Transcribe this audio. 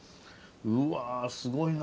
うわすごいな。